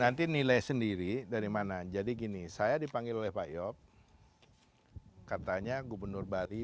nanti nilai sendiri dari mana jadi gini saya dipanggil oleh pak yop katanya gubernur bali